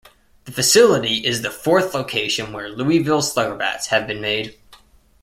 The facility is the fourth location where Louisville Slugger bats have been made.